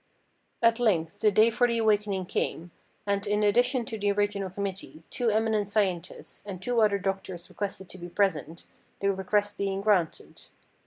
At length the day for the awakening came ; and, in addition to the original committee, two eminent scientists, and two other doctors requested to be present, the request being granted.